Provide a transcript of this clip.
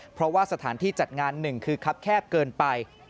เพราะว่าสถานที่จัดงานหนึ่งคือครับแคบเกินไป